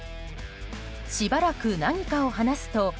しばらく何かを話すと。